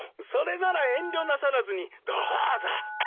それなら遠慮なさらずにどうぞ。